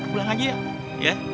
pulang aja ya ya